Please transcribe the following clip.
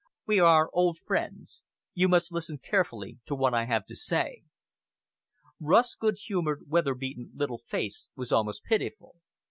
We are old friends! You must listen carefully to what I have to say." Rust's good humored, weather beaten, little face was almost pitiful.